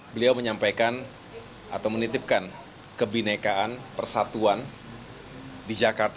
beliau menyampaikan atau menitipkan kebinekaan persatuan di jakarta